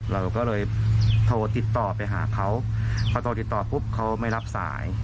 เราก็เลยโทรติดต่อไปหาเขาพอโทรติดต่อปุ๊บเขาไม่รับสาย